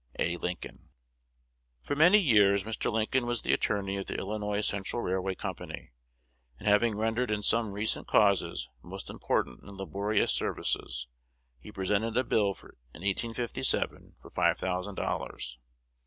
A. Lincoln. For many years Mr. Lincoln was the attorney of the Illinois Central Railway Company; and, having rendered in some recent causes most important and laborious services, he presented a bill in 1857 for five thousand dollars.